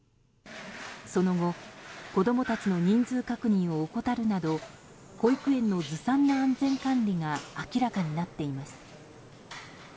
その後子供たちの人数確認を怠るなど保育園のずさんな安全管理が明らかになっています。